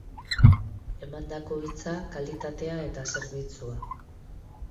Emandako hitza, kalitatea eta zerbitzua.